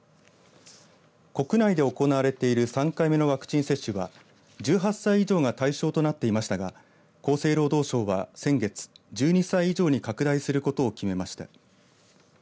国内で行われている３回目のワクチン接種は１８歳以上が対象となっていましたが厚生労働省は先月、１２歳以上に拡大することを決めました。